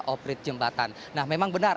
operate jembatan nah memang benar